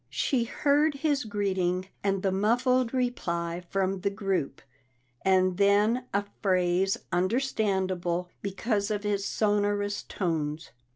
She heard his greeting and the muffled reply from the group, and then a phrase understandable because of his sonorous tones.